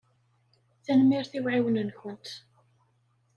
Tanemmirt i uɛiwen-nkent.